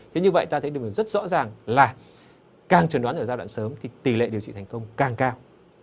thế như vậy ta thấy được rất rõ ràng là càng chuẩn đoán ở giai đoạn sớm thì tỷ lệ điều trị thành công càng cao